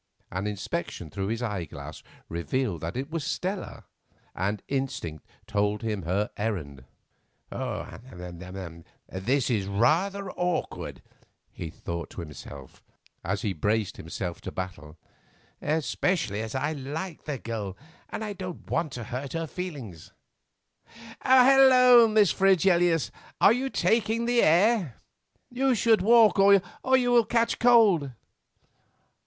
An inspection through his eyeglass revealed that it was Stella, and instinct told him her errand. "This is rather awkward," he thought, as he braced himself to battle, "especially as I like that girl and don't want to hurt her feelings. Hullo! Miss Fregelius, are you taking the air? You should walk, or you will catch cold."